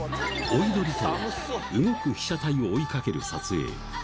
追い撮りとは、動く被写体を追いかける撮影。